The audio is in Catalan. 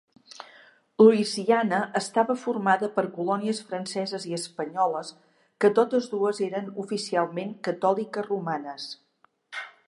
Louisiana estava formada per colònies franceses i espanyoles que totes dues eren oficialment catòliques romanes.